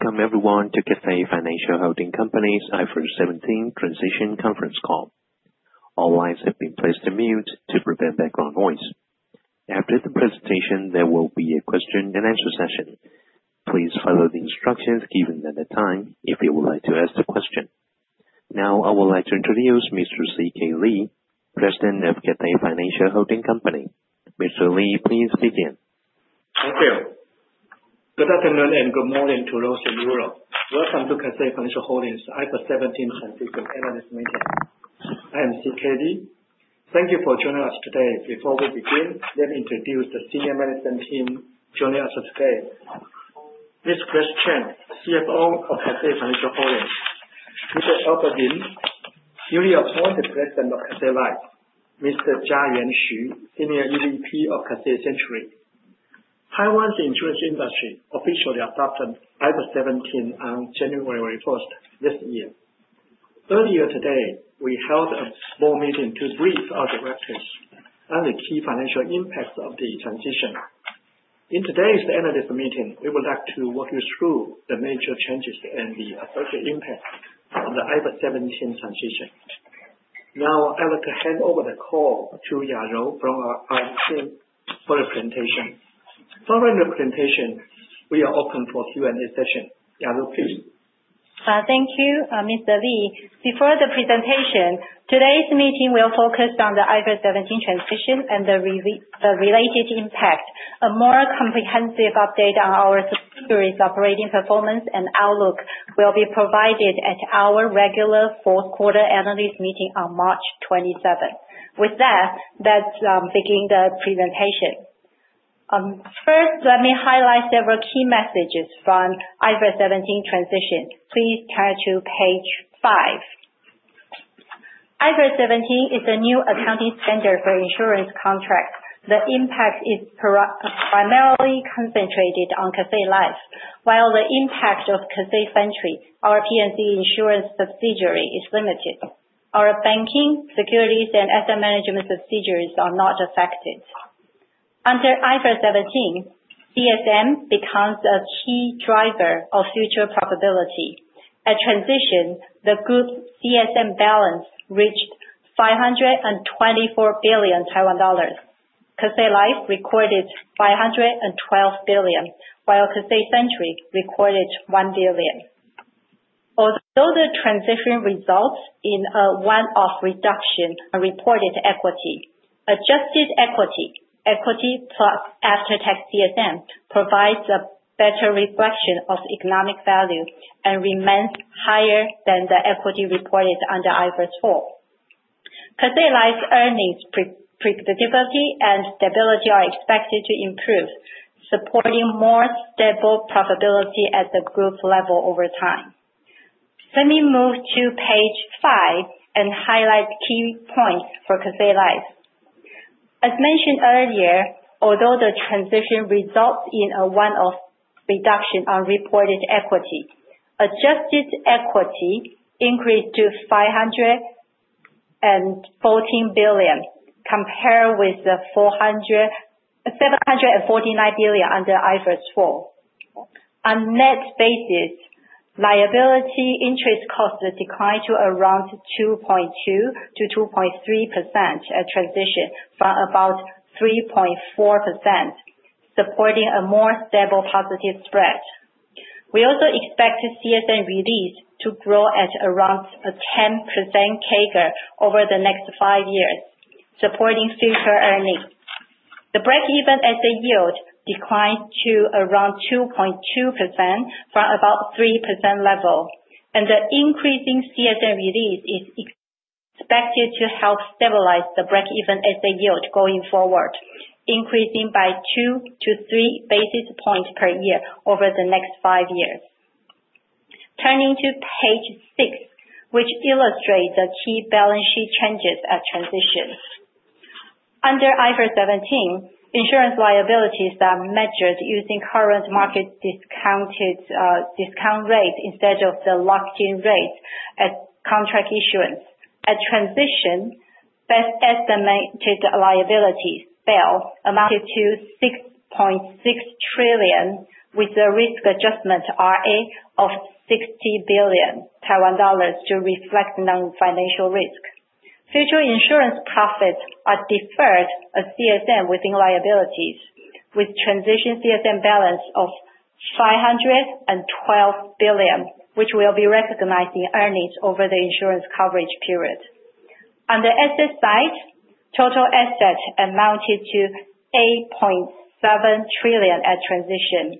Welcome everyone to Cathay Financial Holding Company's IFRS 17 transition conference call. All lines have been placed to mute to prevent background noise. After the presentation, there will be a question and answer session. Please follow the instructions given at the time if you would like to ask the question. Now I would like to introduce Mr. C.K. Lee, President of Cathay Financial Holding Company. Mr. Lee, please begin. Thank you. Good afternoon, and good morning to those in Europe. Welcome to Cathay Financial Holding IFRS 17 transition analyst meeting. I am C.K. Lee. Thank you for joining us today. Before we begin, let me introduce the senior management team joining us today. Ms. Grace Chen, CFO of Cathay Financial Holding.Mr. [Lin Chao-Ting], newly appointed President of Cathay Life. Mr. [Jack Chen], Senior EVP of Cathay Century. Taiwan's insurance industry officially adopted IFRS 17 on January 1st this year. Earlier today, we held a small meeting to brief our Directors on the key financial impacts of the transition. In today's analyst meeting, we would like to walk you through the major changes and the associated impact on the IFRS 17 transition. Now I would like to hand over the call to Yajou from our team for the presentation. Following the presentation, we are open for Q&A session. Yajou, please. Thank you, Mr. Lee. Before the presentation, today's meeting will focus on the IFRS 17 transition and the related impact. A more comprehensive update on our subsidiary's operating performance and outlook will be provided at our regular fourth quarter analyst meeting on March 27. With that, let's begin the presentation. First, let me highlight several key messages from IFRS 17 transition. Please turn to page five. IFRS 17 is a new accounting standard for insurance contracts. The impact is primarily concentrated on Cathay Life. While the impact of Cathay Century, our P&C insurance subsidiary, is limited. Our banking, securities, and asset management subsidiaries are not affected. Under IFRS 17, CSM becomes a key driver of future profitability. At transition, the group CSM balance reached 524 billion Taiwan dollars. Cathay Life recorded 512 billion, while Cathay Century recorded 1 billion. Although the transition results in a one-off reduction on reported equity, adjusted equity plus after-tax CSM provides a better reflection of economic value and remains higher than the equity reported under IFRS 4. Cathay Life earnings predictability and stability are expected to improve, supporting more stable profitability at the group level over time. Let me move to page five and highlight key points for Cathay Life. As mentioned earlier, although the transition results in a one-off reduction on reported equity, adjusted equity increased to 514 billion, compared with the 479 billion under IFRS 4. On net basis, liability interest costs declined to around 2.2%-2.3% at transition from about 3.4%, supporting a more stable positive spread. We also expect CSM release to grow at around a 10% CAGR over the next five years, supporting future earnings. The break-even ASA yield declined to around 2.2% from about 3% level. The increasing CSM release is expected to help stabilize the break-even ASA yield going forward, increasing by 2-3 basis points per year over the next five years. Turning to page six, which illustrates the key balance sheet changes at transition. Under IFRS 17, insurance liabilities are measured using current market discount rate instead of the locked-in rate at contract issuance. At transition, best estimate liabilities, BEL, amounted to 6.6 trillion, with a risk adjustment, RA, of 60 billion Taiwan dollars to reflect non-financial risk. Future insurance profits are deferred as CSM within liabilities, with transition CSM balance of 512 billion, which will be recognized in earnings over the insurance coverage period. On the asset side, total assets amounted to 8.7 trillion at transition.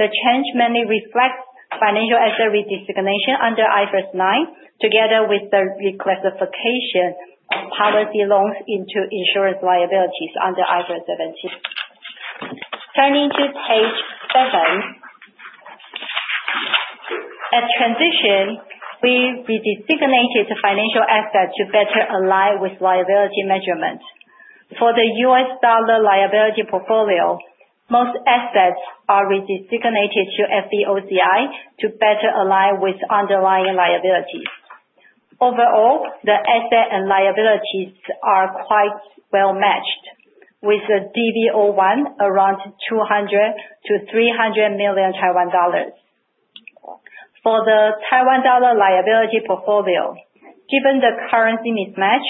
The change mainly reflects financial asset redesignation under IFRS 9, together with the reclassification of policy loans into insurance liabilities under IFRS 17. Turning to page seven. At transition, we redesignated financial assets to better align with liability measurements. For the U.S. dollar liability portfolio, most assets are redesignated to FVOCI to better align with underlying liabilities. Overall, the asset and liabilities are quite well matched with a DV01 around 200 million-300 million Taiwan dollars. For the Taiwan dollar liability portfolio, given the currency mismatch,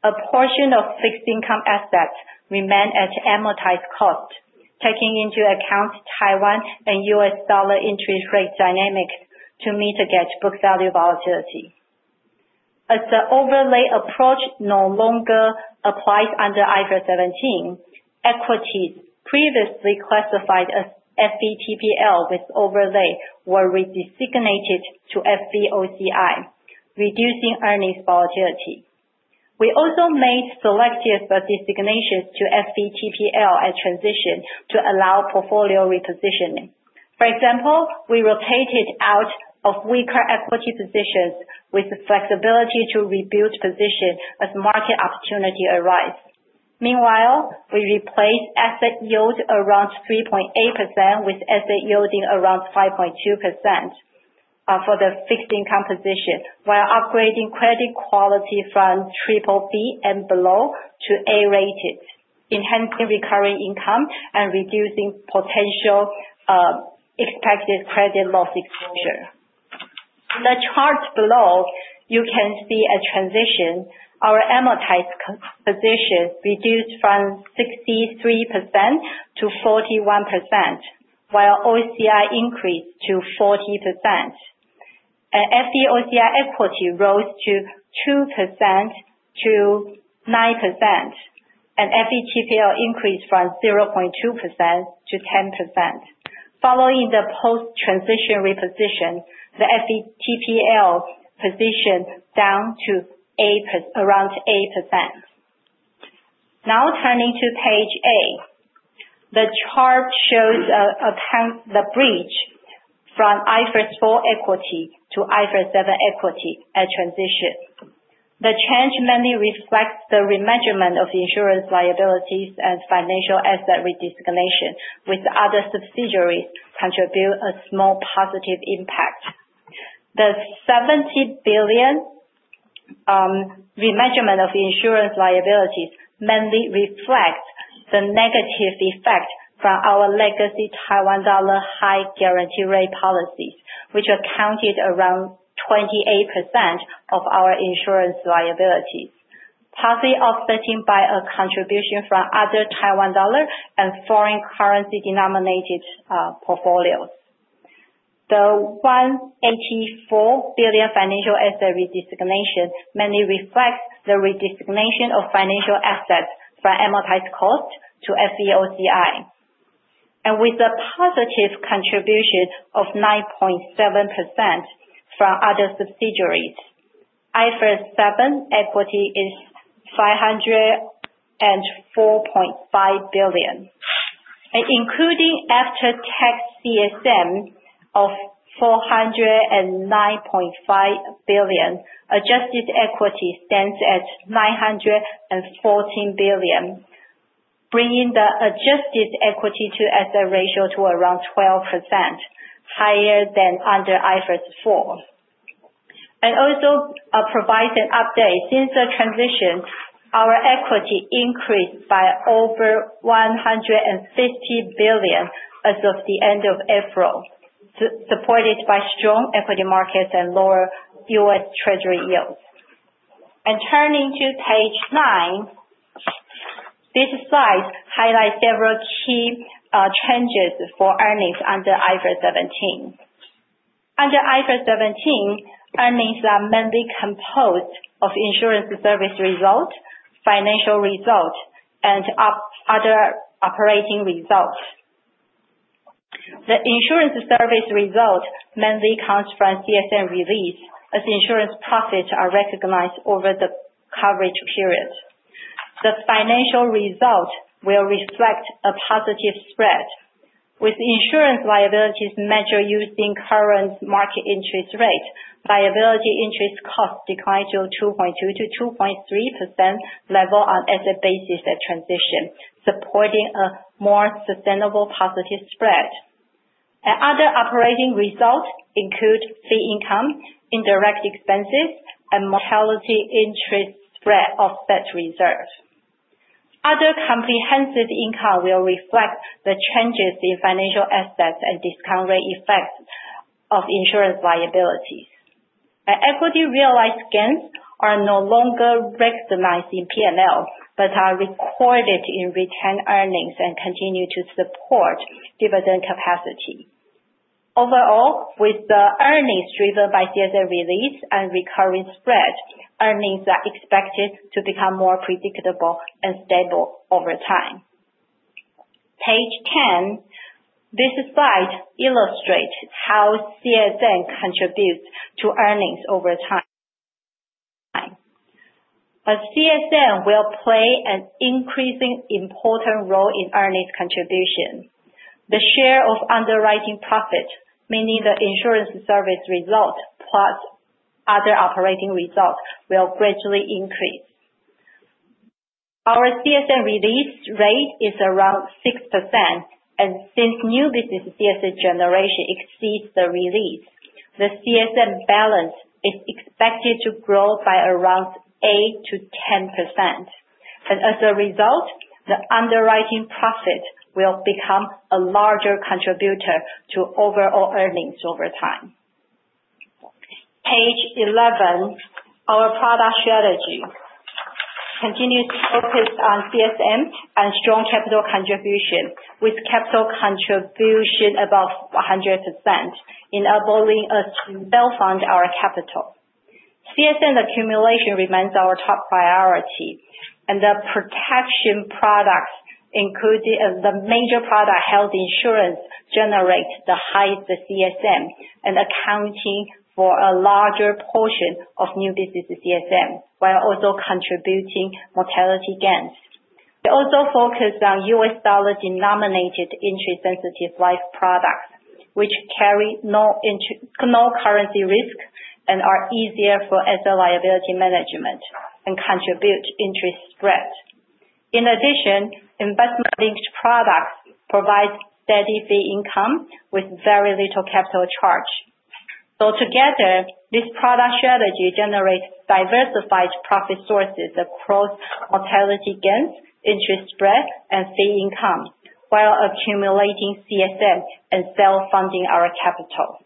a portion of fixed income assets remain at amortized cost, taking into account Taiwan and U.S. dollar interest rate dynamics to mitigate book value volatility. As the overlay approach no longer applies under IFRS 17, equities previously classified as FVTPL with overlay were re-designated to FVOCI, reducing earnings volatility. We also made selective designations to FVTPL as transition to allow portfolio repositioning. For example, we rotated out of weaker equity positions with the flexibility to rebuild position as market opportunity arise. Meanwhile, we replaced asset yield around 3.8% with asset yielding around 5.2% for the fixed income position, while upgrading credit quality from BBB and below to A-rated, enhancing recurring income and reducing potential expected credit loss exposure. In the chart below, you can see a transition. Our amortized cost position reduced from 63%-41%, while OCI increased to 40%. FVOCI equity rose from 2%-9%. FVTPL increased from 0.2%-10%. Following the post-transition reposition, the FVTPL position down to around 8%. Now turning to page eight. The chart shows the bridge from IFRS 4 equity to IFRS 17 equity at transition. The change mainly reflects the remeasurement of insurance liabilities and financial asset redesignation with other subsidiaries contribute a small positive impact. The 70 billion remeasurement of insurance liabilities mainly reflects the negative effect from our legacy Taiwan dollar high guarantee rate policies, which accounted around 28% of our insurance liabilities, partly offsetting by a contribution from other Taiwan dollar and foreign currency denominated portfolios. The 184 billion financial asset redesignation mainly reflects the redesignation of financial assets from amortized cost to FVOCI. With a positive contribution of 9.7% from other subsidiaries, IFRS 7 equity is 504.5 billion. Including after-tax CSM of 409.5 billion, adjusted equity stands at 914 billion, bringing the adjusted equity to asset ratio to around 12% higher than under IFRS 4. Also, provide an update. Since the transition, our equity increased by over 150 billion as of the end of April, supported by strong equity markets and lower U.S. Treasury yields. Turning to page nine, this slide highlights several key changes for earnings under IFRS 17. Under IFRS 17, earnings are mainly composed of insurance service result, financial result, and other operating results. The insurance service result mainly comes from CSM release as insurance profits are recognized over the coverage period. The financial result will reflect a positive spread. With insurance liabilities measured using current market interest rate, liability interest costs decline to a 2.2%-2.3% level on asset basis at transition, supporting a more sustainable positive spread. Other operating results include fee income, indirect expenses, and mortality interest spread of such reserves. Other comprehensive income will reflect the changes in financial assets and discount rate effects of insurance liabilities. Equity realized gains are no longer recognized in P&L, but are recorded in retained earnings and continue to support dividend capacity. Overall, with the earnings driven by CSM release and recurring spread, earnings are expected to become more predictable and stable over time. Page ten. This slide illustrates how CSM contributes to earnings over time. As CSM will play an increasingly important role in earnings contribution, the share of underwriting profit, meaning the insurance service result plus other operating results, will gradually increase. Our CSM release rate is around 6%, and since new business CSM generation exceeds the release, the CSM balance is expected to grow by around 8%-10%. As a result, the underwriting profit will become a larger contributor to overall earnings over time. Page 11. Our product strategy continues to focus on CSM and strong capital contribution, with capital contribution above 100% in enabling us to self-fund our capital. CSM accumulation remains our top priority, and the protection products, including the major product, health insurance, generates the highest CSM and accounting for a larger portion of new business CSM, while also contributing mortality gains. We also focus on U.S. dollar-denominated interest-sensitive life products, which carry no currency risk and are easier for asset liability management and contribute interest spread. In addition, investment-linked products provide steady fee income with very little capital charge. Together, this product strategy generates diversified profit sources across mortality gains, interest spread, and fee income while accumulating CSM and self-funding our capital.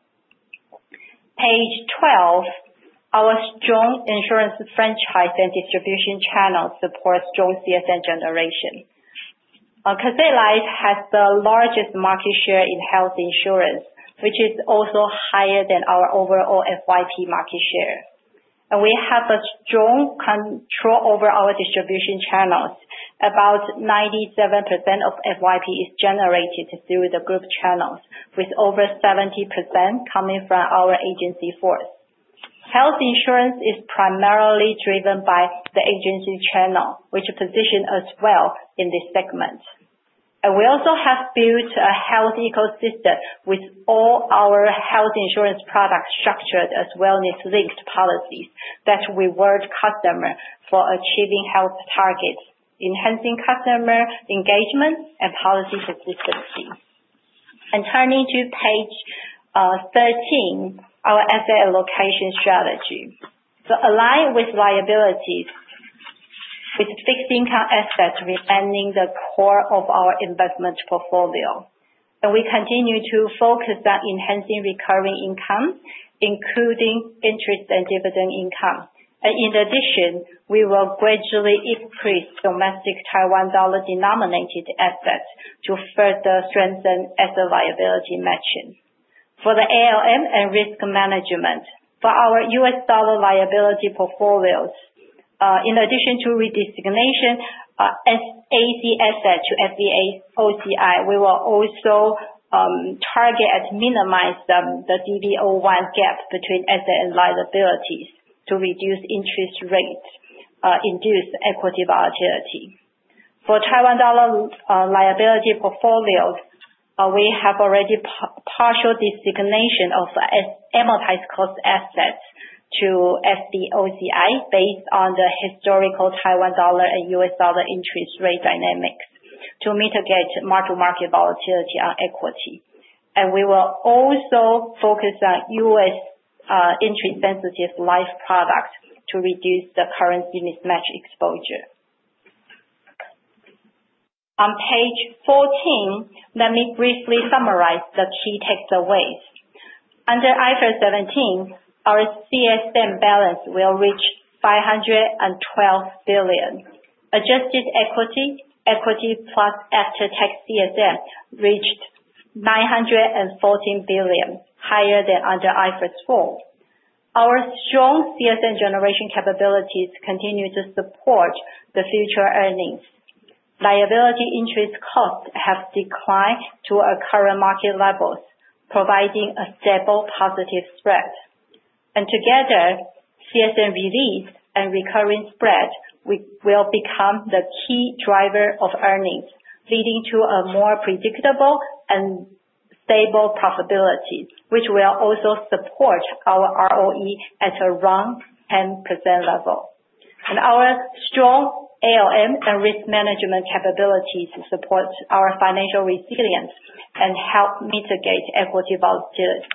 Page 12. Our strong insurance franchise and distribution channel support strong CSM generation. Cathay Life has the largest market share in health insurance, which is also higher than our overall FYP market share. We have a strong control over our distribution channels. About 97% of FYP is generated through the group channels, with over 70% coming from our agency force. Health insurance is primarily driven by the agency channel, which position us well in this segment. We also have built a health ecosystem with all our health insurance products structured as wellness-linked policies that reward customers for achieving health targets, enhancing customer engagement and policy consistency. Turning to page 13, our asset allocation strategy to align with liabilities, with fixed income assets remaining the core of our investment portfolio. We continue to focus on enhancing recurring income, including interest and dividend income. In addition, we will gradually increase domestic Taiwan dollar-denominated assets to further strengthen asset liability matching. For the ALM and risk management, for our U.S. dollar liability portfolios, in addition to redesignation as FV assets to FVOCI, we will also target and minimize the DV01 gap between assets and liabilities to reduce interest rate induced equity volatility. For Taiwan dollar liability portfolios, we have already partial designation of amortized cost assets to FVOCI based on the historical Taiwan dollar and U.S. dollar interest rate dynamics to mitigate mark-to-market volatility on equity. We will also focus on U.S. interest-sensitive life products to reduce the currency mismatch exposure. On page 14, let me briefly summarize the key takeaways. Under IFRS 17, our CSM balance will reach 512 billion. Adjusted equity plus after-tax CSM reached 914 billion, higher than under IFRS 4. Our strong CSM generation capabilities continue to support the future earnings. Liability interest costs have declined to our current market levels, providing a stable positive spread. Together, CSM release and recurring spread will become the key driver of earnings, leading to a more predictable and stable profitability, which will also support our ROE at around 10% level. Our strong ALM and risk management capabilities support our financial resilience and help mitigate equity volatility.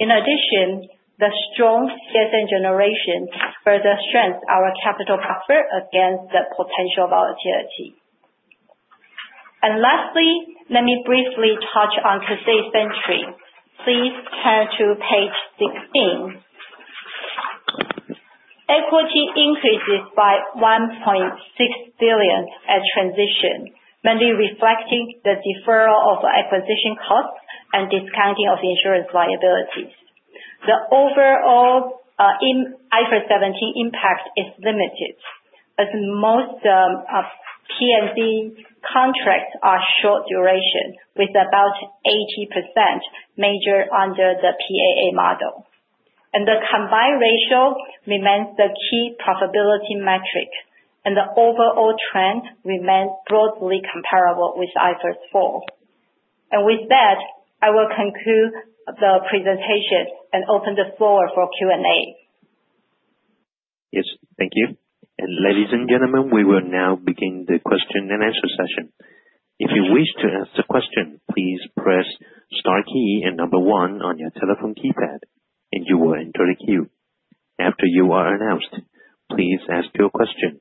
In addition, the strong CSM generation further strengthens our capital buffer against the potential volatility. Lastly, let me briefly touch on [inaudible] entry. Please turn to page 16. Equity increases by 1.6 billion at transition, mainly reflecting the deferral of acquisition costs and discounting of insurance liabilities. The overall IFRS 17 impact is limited, as most of P&C contracts are short duration with about 80% measured under the PAA model. The combined ratio remains the key profitability metric, and the overall trend remains broadly comparable with IFRS 4. With that, I will conclude the presentation and open the floor for Q&A. Yes, thank you. And ladies and gentlemen, we will now begin the question-and-answer session. If you wish to ask a question, please press star key and number one on your telephone keypad, and you will enter the queue. After you are announced, please ask your question.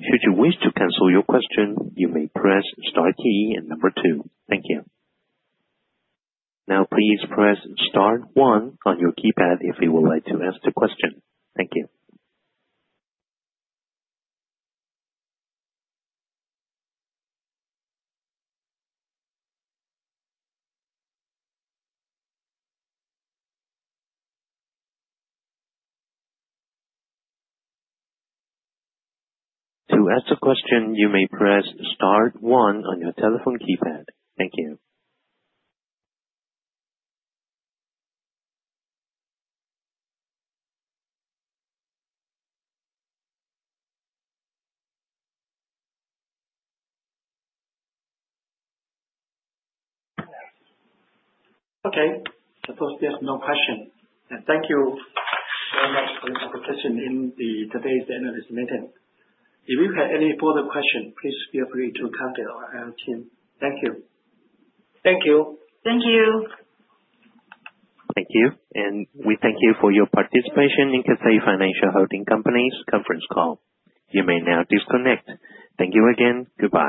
Should you wish to cancel your question, you may press star key and number two. Thank you. Now please press star one on your keypad if you would like to ask a question. Thank you. To ask a question, you may press star one on your telephone keypad. Thank you. Okay. Suppose there's no question. Thank you very much for your participation in today's analyst meeting. If you have any further question, please feel free to contact our IR team. Thank you. Thank you. Thank you. We thank you for your participation in Cathay Financial Holding Company's conference call. You may now disconnect. Thank you again. Goodbye.